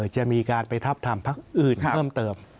จะมีการไปทับทำพักอื่นเพิ่มเติม